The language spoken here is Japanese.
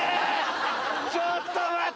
ちょっと待て！